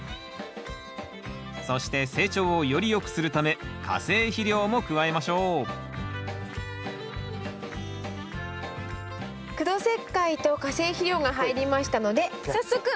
そして成長をよりよくするため化成肥料も加えましょう苦土石灰と化成肥料が入りましたので早速混ぜていきましょうか。